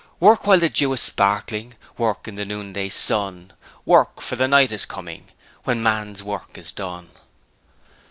'Work while the dew is sparkling, Work in the noonday sun! Work! for the night is coming When man's work is done!'